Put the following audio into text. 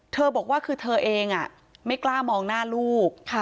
บอกว่าคือเธอเองไม่กล้ามองหน้าลูก